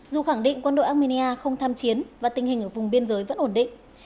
dù khẳng định quân đội armenia không tham chiến và tình hình ở vùng biên giới vẫn ổn định